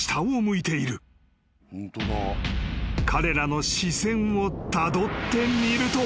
［彼らの視線をたどってみると］